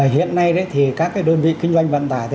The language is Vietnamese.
hiện nay thì các đơn vị kinh doanh vận tải